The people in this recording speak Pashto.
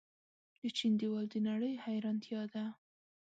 د چین دیوال د نړۍ حیرانتیا ده.